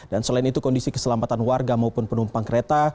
dan selain itu kondisi keselamatan warga maupun penumpang kereta